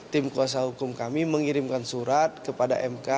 tim kuasa hukum kami mengirimkan surat kepada mk